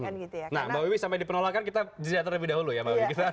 nah mbak wi sampai dipenolakan kita jenjah terlebih dahulu ya mbak wi